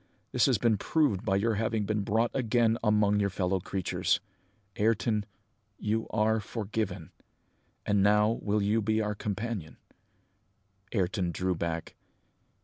That has been proved by your having been brought again among your fellow creatures. Ayrton, you are forgiven! And now you will be our companion?" Ayrton drew back.